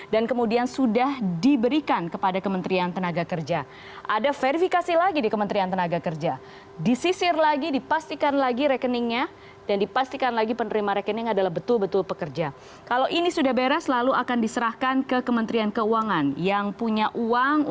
dan kemudian sudah diberikan